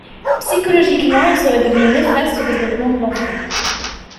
Psychologiquement, il serait devenu néfaste au développement de l’enfant.